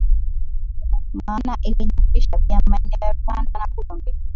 maana ilijumlisha pia maeneo ya Rwanda na Burundi